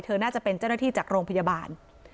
น่าจะเป็นเจ้าหน้าที่จากโรงพยาบาล